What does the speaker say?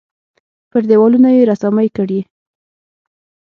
پر دېوالونو یې رسامۍ کړي.